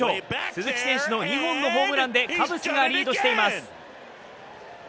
鈴木選手の２本のホームランでカブスがリードしています。